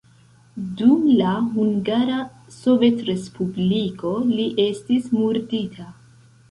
Dum la Hungara Sovetrespubliko li estis murdita.